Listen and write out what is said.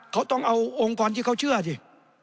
เขาต้องเอาองค์กรที่เขาเชื่อสิ